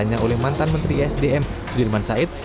tim ini dipimpin oleh mantan menteri isdm sudirman said